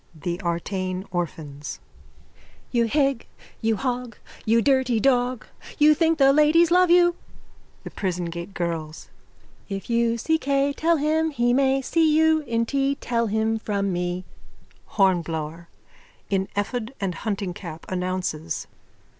_ THE ARTANE ORPHANS: You hig, you hog, you dirty dog! You think the ladies love you! THE PRISON GATE GIRLS: If you see Kay Tell him he may See you in tea Tell him from me. HORNBLOWER: _(In ephod and huntingcap, announces.)